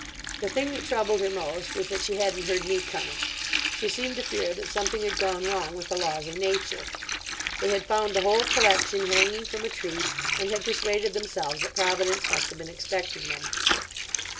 The thing that troubled her most was that she hadn't heard me coming; she seemed to fear that something had gone wrong with the laws of Nature. They had found the whole collection hanging from a tree, and had persuaded themselves that Providence must have been expecting them.